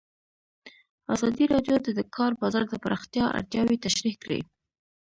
ازادي راډیو د د کار بازار د پراختیا اړتیاوې تشریح کړي.